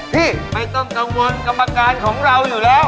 ไม่ต้องกังวลกรรมการของเราอยู่แล้ว